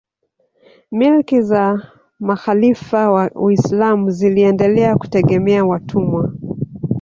Milki za makhalifa wa Uislamu ziliendelea kutegemea watumwa